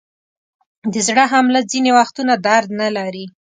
د زړه حمله ځینې وختونه درد نلري.